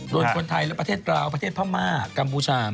ดวงคนไทยด้วยประเทศกราบกะทับมาร์กัมพูชา